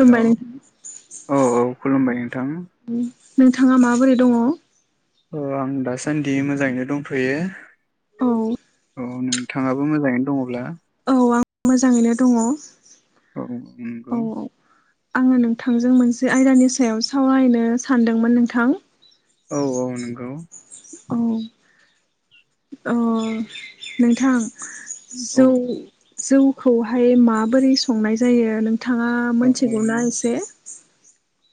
हेल' नोंथां औ औ खुलुमबाय नोंथां। नोंथाङा माबोरै दङ? औ आं दासान्दि मोजाङैनो दंथ'यो औ औ नोंथाङाबो मोजाङैनो दङब्ला? मोजाङैनो दङ औ औ नंगौ औ। आङो नोंथांजों मोनसे आयदानि सायाव सावरायनो सानदोंमोन नोंथां। औ औ नंगौ। औ अ नोंथां औ जौ जौखौहाय माबोरै संनाय जायो नों थाङा औ मोनथिगौना एसे?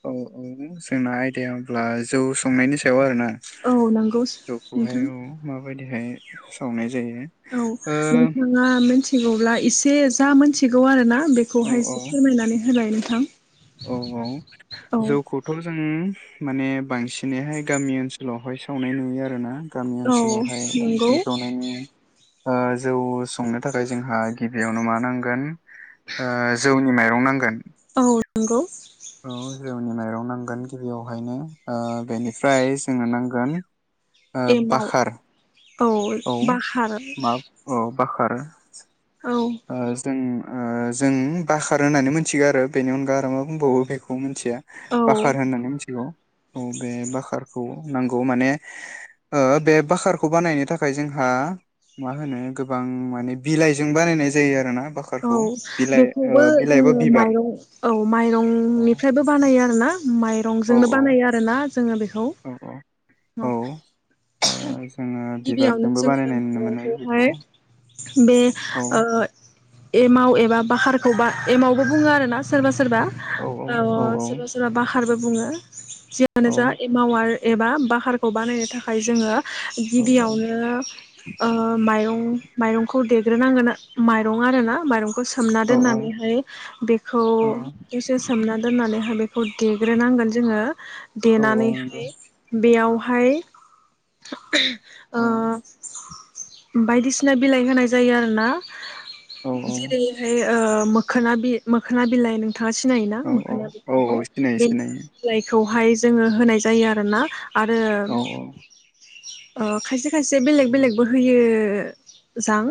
औ औ जोंना आयदाया होमब्ला जौ संनायनि सायाव आरोना? औ नंगौ जौखौहाय नोंथां माबायदिहाय सावनाय जायो औ ओ नोंथाङा मोनथि थिगौब्ला एसे जा मोनथिगौ आरो ना। औ बेखौहाय एसे फोरमायनानै होलाय नों थां? औ औ जौखौथ' जों माने बांसिनैहाय गामि ओनसोलावहाय सावनाय नुयो आरोना । गामि औ ओनसोलावहाय नंगौ बांसिन संनाय नुयो । ओ जौ संनो थाखाय जोंहा गिबियावनो मा नांगोन ओ जौनि माइरं नांगोन। औ नंगौ औ जौनि माइरं नांगोन गिबियावहायनो ओ बेनिफ्राय जोंनो नांगोन ओ एमाव बाखार। औ बाखार। मा औ बाखार ओ जों ओ जों बाखार होननानै मिथिगो आरो बेनि अनगा आरो मा बुंबावो बेखौ मिथिया औ बाखार होननानै मिथिगौ औ बे बाखारखौ नंगौ माने ओ बे बाखारखौ बानायनो थाखाय जोंहा मा होनो गोबां माने बिलाइजों बानायनाय जायो आरो ना औ बेखौबो जोंङो बिबार माइरं औ औ माइरंनिफ्रायबो बानायो आरोना औ माइरंजोंनो औ बानायो आरोना जोंङो बेखौ औ औ औ ओ जोंङो गिबियावनो बिबारजोंबो जोङो बानायनाय नुनो मोननाय माइरंखौहाय बेखौ [inaudible] बे औ ओ एमाव एबा बाखारखौ बा एमावबो बुङो आरो ना सोरबा सोर सोरबा औ ओ औ सोरबा सोरबा बाखा खारबो बुङो जियानो औ जा एमाव आरो एबा बाखारखौ बानायनो थाखाय जोङो औ गिबियावनो ओ माइरं माइरंखौ देग्रोनांगोन माइ दं आरो ना मायरं सोमना औ दोननानैहाय बेखौ एसे सोमना दोननानैहाय बे खौ देग्रोनांगोन जोंङो औ औ नंगौ देनानैहाय बेयाव हाय [unintelligible] ओ बायदिसिना बिलाइ होनाय जायो आरोना औ जेरै हाय ओ मो मोखोना बि मोखोना बिलाइ नों थांङा सिनायोना औ मोखोना औ बिबारखौ औ सिनायो बेनि सिनायो बिलाय खौहाय जोङो होनाय जायो आरोना आरो औ औ ओ खायसे खायसे बेलेग नंगौ बेलेगबो होयो जां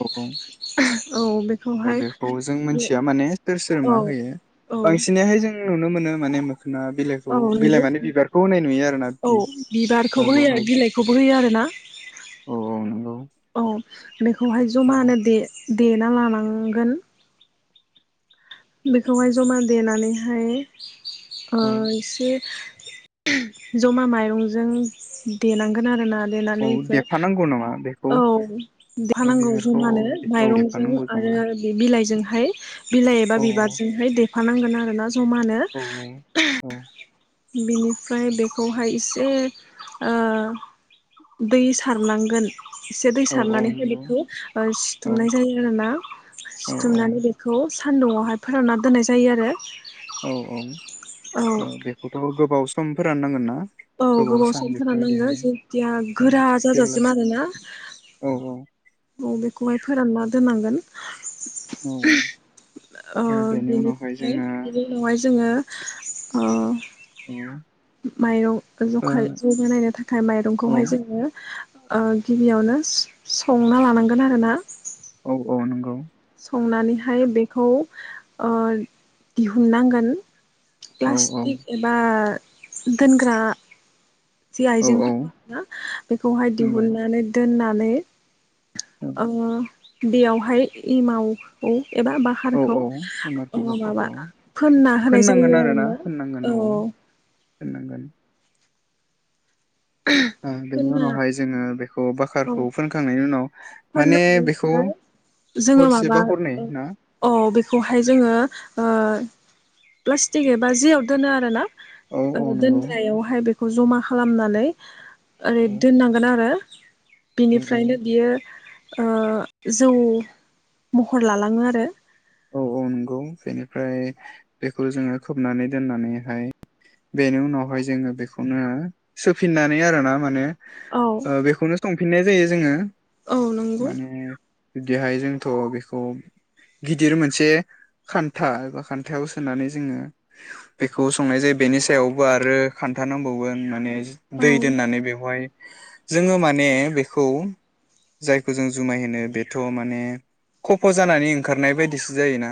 औ औ औ दा बेखौहाय बेखौ जों मिथिया माने सोर सोर औ मा होयो औ बांसिनाहाय जों नुनो मोनो माने मो औ नंगौ नुयो आरोना औ बि ओ बिबारखौबो होयो बेवहाय बिलाइखौबो होयो आरोना औ औ नंगौ औ बेखौहाय औ जमानो दे देना लानांगोन बेखौहाय जमा देनानैहाय अ एसे उह जमा माइरंजों देनांगोन आरोना औ देनानै इखो देफानांगौ नामा बे औ देफानांगौ जमानो औ माइरंजों देफानांगौ खोमा आरो बिलाइजोंहाय बिलाइ एबा औ बिबारजोंहाय दै देफानांगोन आरोना जमानो औ औ बिनिफ्राय बेखौहाय एसे ओ दै सारनांगोन एसे दै औ औ सारनानैहाय नंगौ बेखौ औ सिथुमनाय जायो आरोना औ सिथुमनानै बेखौ सान्दुंङआवहाय फोरानना दोननाय जायो आरो औ औ औ बेखौ'थ' गोबाव सम फोरान नांगोन ना? औ गोबाव सान सम फोरान नांगोन बेफोरबायदिहाय जेथिया औ गोरा जाजासिम जेब्लासो आरोना औ औ औ बेखौहाय फोरानना दोननांगोन औ ओ बेनि उनावहाय बिनिफ्राय बिनि जोङो उनावहाय जोङो ओ औ माइरं जखा जौगानायनो थाखाय औ माइरंखौहाय जोङो ओ गिबियावनो संना लानांगोन आरोना औ औ नंगौ संनानैहाय बेखौ ओ दिहुननांगोन औ औ प्लास्टिक एबा दोनग्रा जि औ औ आइजेंखौ ना बेखौहाय नंगौ दिहुननानै दोननानै औ [unintelligible] ओ बेयावहाय इमावखौ एबा औ बाहारखौ औ एमारखौ ओ माबा बाखरखौ फोनना होनाय जायो आरोना औ फोननांगोन बेनि फोनना उनावहाय जोंङो बेखौ औ बाकारखौ फोनखांनायनि उनाव माने बेखौ फोननानैहाय जोंङो हरसे माबा बा हरनै ना अ बेखौहाय जोंङो ओ प्लास्टिक एबा जियाव दोनो आरोना औ औ नंगौ दोनग्रायावहाय बेखौ खौ जमा खालामनानै औ ओरै दोननांगोन आरो औ औ बिनिफ्रायनो बियो जौ महर लालांङो आरो औ औ नंगौ बेनिफ्राय बेखौ जोंङो खोबनानै दोननानैहाय बेनि उनावहाय जोंङो बेखौनो सोफिननानै आरोना माने औ बेखौनो संफिन फिननाय जायो जोंङो औ नंगौ माने बिदिहाय जोंथ बेखौ गिदिर मोनसे खान्था खान्थाव सोनानै जोंङो बेखौ संनाय जायो बेनि सायावबो आरो खान्था नांबावगोन माने औ दै दोननानै बेवहाय जोंङो माने बेखौ जायखौ जों जुमाय होनो बेथ माने खफ जानानै ओंखारनाय बायदिसो जायोना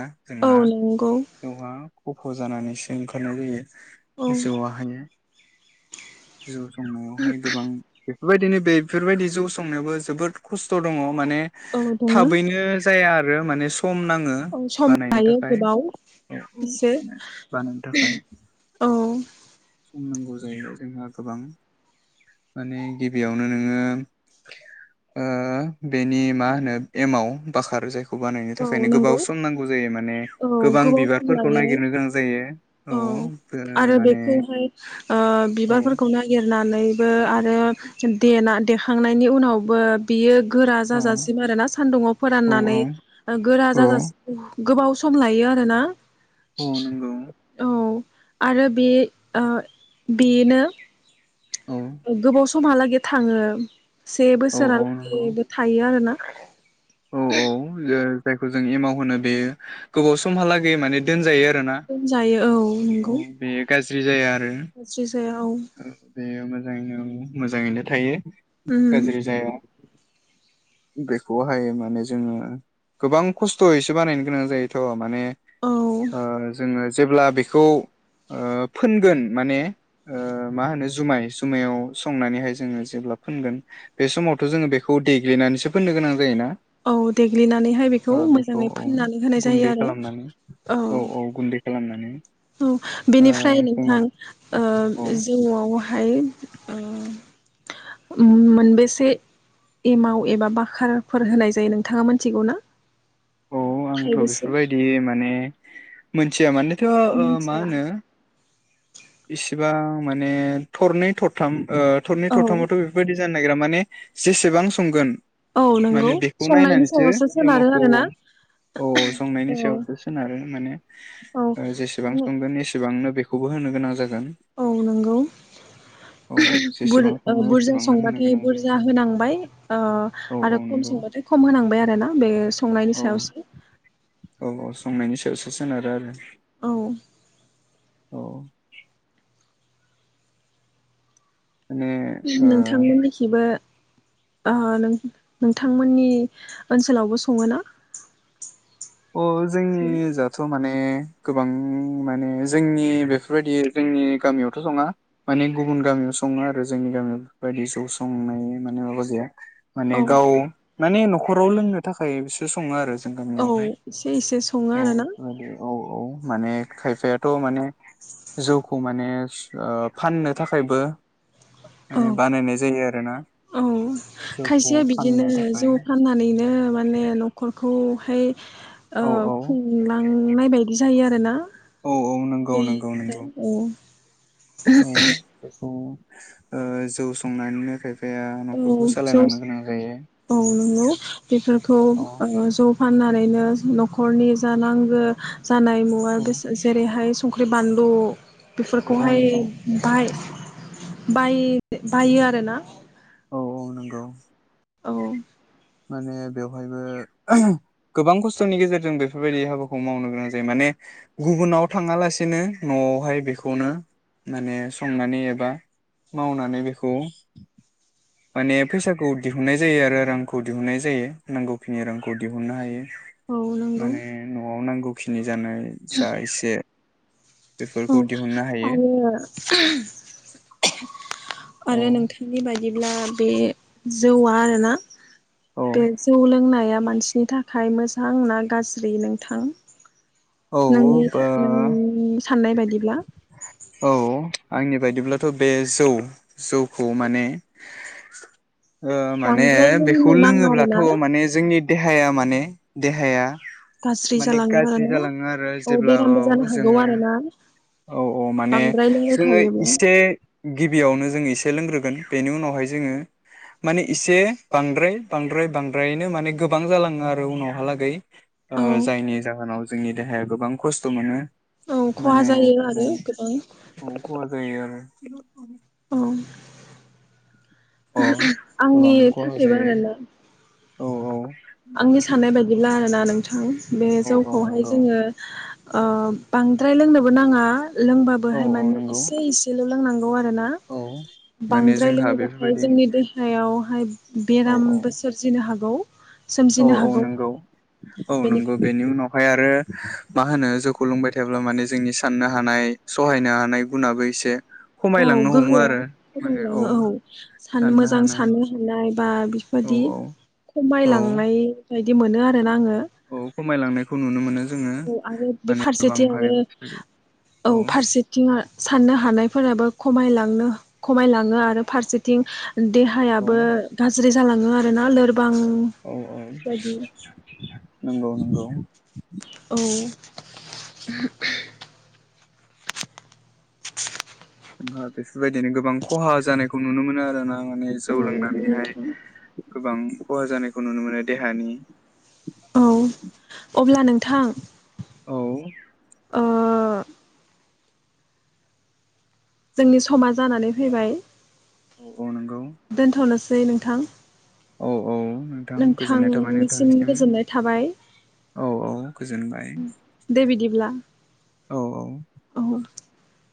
औ जोंहा नंगौ न आव गफ जानानैसो ओंखारनाय औ जायो जौआहाय जौ संनायावहाय गोबां बेबायदिनो बे बेफोरबायदि जौ संनायावबो जोबोद खस्थ दंङ माने औ दङ थाबैनो जाया आरो बेयो माने सम नाङो औ सम बानायनो लायो थाखाय गोबाव एसे बानायनो औ बुंनांगौ जाहैबाय जोंहा गोबां माने गिबियावनो नोंङो ओ बेनि मा होनो एमाव बाखार जायखौ बानायो। औ बेओंखायनो नंगौ गोबाव सम नांगौ जायो माने औ गोबां गोबाव सम बिबारफोरखौ लायो नायगिरनो गोनां जायो औ आरो माने बेखौहाय ओ औ बिबारफोरखौ नागिर होनानैबो आरो देना देखांनायनि उनावबो बियो गोरा औ जाजासिम आरो ना सान्दुङाव औ औ फोराननानै गोरा औ जाजासिम गोबाव सम लायो आरोना औ नंगौ औ आरो बे ओ बेनो औ गोबाव समहालागै थांङो से औ औ नंगौ बोसोरालागैबो थायो आरोना औ [unintelligible] औ जायखौ जों एमाव होनो बेयो गोबाव समहालागै माने दोनजायो आरो दोनजायो औ नंगौ ज्रि जाया। आरो ज्रि जाया औ मोजाङैनो मोजाङैनो थायो। उम गाज्रि जाया। बेखौहाय माने जोङो गोबां खस्थ'यैसो बानायनो गोनां जायोथ' माने औ ओ जोङो जेब्ला बेखौ ओ फोनगोन ओ माने मा होनो जुमाय जुमायाव संनानैहाय जोङो जेब्ला फोनगोन बे समावथ' जोङो बेखौ देग्लिनानैसो सोफोननो गोनां जायोना? औ देग्लिनानैहाय बेखौ ओ मोजाङै औ फोननानै होनाय जायो गुन्दै आरो खालामनानै औ औ ओ बेनिफ्राय जोंना नोंथां ओ औ जौआवहाय ओ उम मोनबेसे एमाव एबा बाखोरफोर होनाय जायो नोंथाङा मिथिगौ ना? औ आंथ' थाइबेसे? बेफोरबायदि माने मोनथिया माने थ' ओ मा मिथिया। होनो इसिबां माने थरनै थरथाम ओ थरै औ थरथामावथ' बेफोरबायदि जानो नागिरा माने जेसेबां संगोन औ नंगौ माने बेखौ संनायनि नायनानैसो सायावसो सोनारो एमावखौ औ आरोना औ संनायनि औ सायावसो सोनारो माने औ। ओ जेसेबां संगोन एसेबां नो बेखौबो होनो गोनां जागोन। औ नंगौ औ बुर जेसेबां ओ सङो बुरजा एसेबांनो होनो संबाथाय गोनां जायो बुरजा होनांबाय ओ औ औ आरो खम नंगौ संबाथाय खम होनांबाय आरोना बे संनायनि औ सायावसो औ औ संनायनि सायावसो सोनारो आरो औ औ माने ओ नोंथांमोननिखिबो ओ नों-नोंथांमोननि ओनसोलावबो सङो ना? अ जोंनि जाथ माने ने गोबां माने जोंनि बेफोरबायदि जोंनि गामियावथ' सङा माने गुबुन गामियाव सङो आरो जोंनि गामियाव बेफोरबायदि जौ संनाय माने माबा गैया माने औ गाव माने नखराव लोंनो थाखाय बिसोर सङो आरो जों औ गामियावहाय एसे इसे सङो औ आरो ना। बेफोरबायदि औ औ माने खायफायाथ' माने जौखौ मा माने ओ फाननो थाखायबो औ माने बानायनाय जायो आरोना औ जौखौ खायसेया बिदिनो फाननो थाखाय जौ फाननानैनो माने नखरखौ हाय ओ औ औ खुंलांनाय बायदि जायो आरोना औ औ नंगौ नंगौ गैयैफोरा नंगौ औ। औ औ ओ जौ संनानैनो खाय फाया औ नखरखौ जौ सालायलांनो गोनां जायो। औ नंगौ बेफोरखौ अ ओ जौ फाननानैनो न'खरनि जा नांगो जानाय मुवा औ बे जेरैहाय संख्रि, बान्लु, औ औ बेफोरखौहाय नंगौ बाहाय बाय बायो आरोना। औ औ नंगौ। औ माने बेवहायबो गोबां खस्थनि गेजेरजों बेफोरबायदि हाबाखौ मावनो गोनां जायो माने गुबुनाव थाङालासेनो नआवहाय बेखौनो माने संनानै एबा मावनानै बेखौ माने फैसाखौ दिहुननाय जायो आरो रांखौ दिहुननाय जायो नांगौखिनि रांखौ दिहुननो हायो। औ नंगौ माने न'आव नांगौ खिनि जानाय जा एसे औ बेफोरखौ दिहुननो हायो आरो औ आरो नोंथांनि बाय दिब्ला बे जौआ आरोना औ बे जौ लोंनाया मानसिनि थाखाय मोजां ना गाज्रि नोंथां औ नोंनि बा नों साननाय बायदिब्ला? औ आंनि बायदिब्लाथ' बे जौ जौखौ माने ओ माने बांद्राय लोंनो बेखौ नाङा लोङोब्लाथ' आरोना माने जोंनि देहाया माने देहाया गाज्रि माने जालाङो गाज्रि आरो ना जालाङो आरो औ जेब्ला बेरामबो जानो हागौ जोङो आरो ना? औ औ माने जोङो एसे गिबियावनो जोंनि एसे लोंग्रोगोन बेनि उनावहाय जोङो माने एसे बांद्राय बांद्राय बांद्रायैनो माने गोबां जालाङो आरो उनावहालागै ओ औ जायनि जाहोनाव जोंनि देहाया गोबां खस्थ' मोनो औ खहा माने जायो जों आरो गोबां औ खहा जायो आरो [unintelligible] औ अ आंनि गोबां खहा थाखायबो जायो आरोना औ आंनि साननाय बाददिब्ला आरोना नों थां बे औ औ जौखौहाय नंगौ जोङो ओ बांद्राय लोंनोबो नाङा औ लोंबाबोहाय औ माने नंगौ एसे एसेल' लोंनांगौ आरोना औ माने बांद्राय जोंहा लोङोबाथाय बेफोरबायदि जोंनि देहायाव हाय औ औ बेरामबो सोरजिनो हागौ औ सोमजिनो औ हागौ नंगौ औ नंगौ बेनिखायनो बेनि उनावहाय आरो मा होनो जौखौ लोंबाय थायोब्ला माने जोंनि साननो हानाय सहायनो हानाय गुनाबो एसे औ खमायलांनो हमो गोहोआ आरो माने खमायलाङो औ सान साननो मोजां हानाय साननो हानाय बा औ बिफोरबायदि औ औ खमायलांनाय बायदि मोनो आरोना आङो औ खमायलांनायखौ नुनो मोनो जोङो औ आरो बे फारसेथिंबो गोबांहाय औ फारसेथिं साननो हानायफोराबो खमायलांनो खमायलाङो आरो फारसेथिं औ देहायाबो गा जालाङो आरोना लोर औ औ। नोंगौ नोंगौ। औ। [inaudible] [inaudible] नुवा बेफोरबायदिनो गोबां खहा जानायखौ नुनो मोनो आरोना। नां माने जौ लोंनानैहाय। गोबां खहा जानायखौ नुनो मोनो देहानि। औ अब्ला नोंथां। औ। ओ जोंनि समा जानानै फैबाय। औ औ नंगौ दोन्थ'नोस दे नोंथां। औ औ नोंथां गोजोननाय थाबाय नोंथांनिसिम गोजोननाय थाबाय औ औ गोजोनबाय। दे बिदिब्ला औ औ। [inaudible]